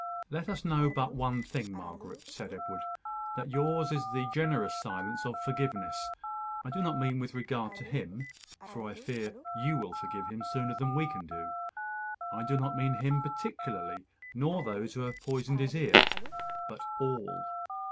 "Let us know but one thing, Margaret," said Edward; "that yours is the generous silence of forgiveness. I do not mean with regard to him for I fear you will forgive him sooner than we can do. I do not mean him particularly, nor those who have poisoned his ear; but all.